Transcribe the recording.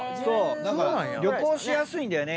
だから旅行しやすいんだよね